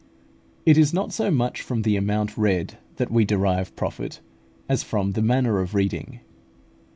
It is not so much from the amount read that we derive profit, as from the manner of reading.